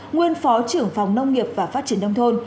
nguyên phó trưởng phòng nông nghiệp và phát triển đông thôn